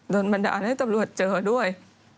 โดนบัดด่านให้ตำรวจเจอด้วย